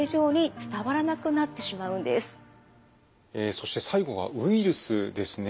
そして最後はウイルスですね。